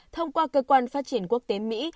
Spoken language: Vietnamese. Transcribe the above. thông qua cơ quan phát triển quốc tế mỹ